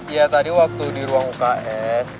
ya tadi waktu di ruang uks